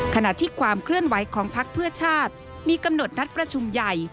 ขณะที่ความเคลื่อนไหวของพักเพื่อชาติมีกำหนดนัดประชุมใหญ่